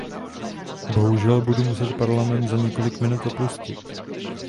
Bohužel budu muset Parlament za několik minut opustit.